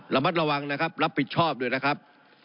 ระมัดระวังนะครับรับผิดชอบด้วยนะครับ